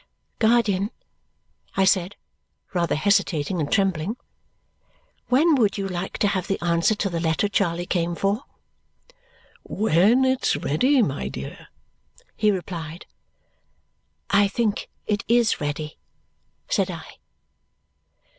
"Guardian," I said, rather hesitating and trembling, "when would you like to have the answer to the letter Charley came for?" "When it's ready, my dear," he replied. "I think it is ready," said I.